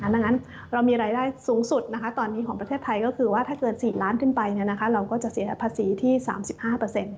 ดังนั้นเรามีรายได้สูงสุดตอนนี้ของประเทศไทยก็คือว่าถ้าเกิน๔ล้านขึ้นไปเราก็จะเสียภาษีที่๓๕